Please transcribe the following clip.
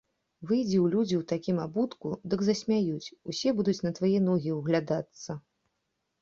Выйдзі ў людзі ў такім абутку, дык засмяюць, усе будуць на твае ногі ўглядацца.